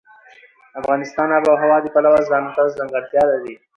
افغانستان د آب وهوا د پلوه ځانته ځانګړتیا لري.